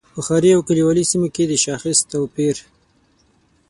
په ښاري او کلیوالي سیمو کې د شاخص توپیر.